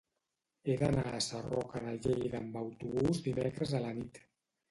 He d'anar a Sarroca de Lleida amb autobús dimecres a la nit.